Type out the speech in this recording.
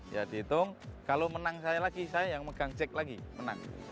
ya dihitung kalau menang saya lagi saya yang megang jack lagi menang